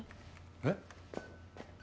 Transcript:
えっ？